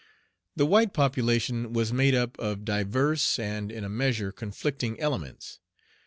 The white population was made up of diverse, and in a measure conflicting elements.